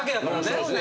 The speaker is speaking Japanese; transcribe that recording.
そうですね。